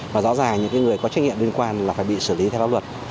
và rõ ràng những người có trách nhiệm liên quan là phải bị xử lý theo pháp luật